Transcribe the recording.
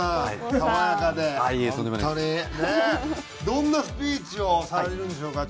どんなスピーチをされるんでしょうか？